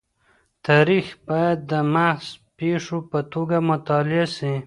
تاریخ باید د محض پېښو په توګه مطالعه سي.